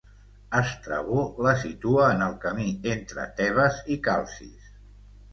Estrabó la situa en el camí entre Tebes i Calcis.